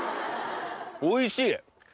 おいしい！